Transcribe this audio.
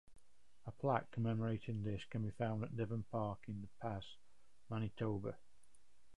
A plaque commemorating this can be found at Devon Park in The Pas, Manitoba.